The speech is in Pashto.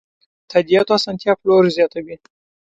د تادیاتو اسانتیا پلور زیاتوي.